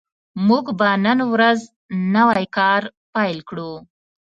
موږ به نن ورځ نوی کار پیل کړو